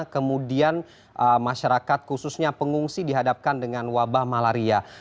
kemudian masyarakat khususnya pengungsi dihadapkan dengan wabah malaria